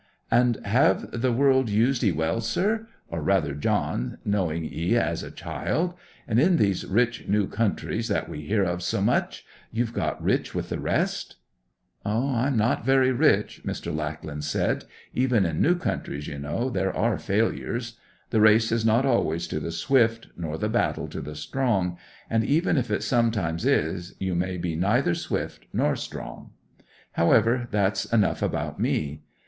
'And have the world used 'ee well, sir—or rather John, knowing 'ee as a child? In these rich new countries that we hear of so much, you've got rich with the rest?' 'I am not very rich,' Mr. Lackland said. 'Even in new countries, you know, there are failures. The race is not always to the swift, nor the battle to the strong; and even if it sometimes is, you may be neither swift nor strong. However, that's enough about me.